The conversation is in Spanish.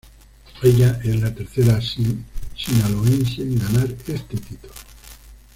Ella es la tercera Sinaloense en ganar este título.